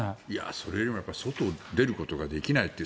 それよりも外に出ることができないって